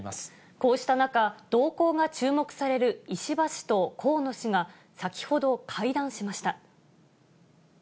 こうした中、動向が注目される石破氏と河野氏が、先ほど会談しました。